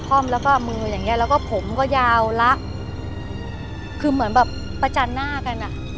่อมแล้วก็มืออย่างเงี้แล้วก็ผมก็ยาวละคือเหมือนแบบประจันหน้ากันอ่ะ